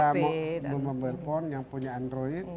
bisa membeli mobil phone yang punya android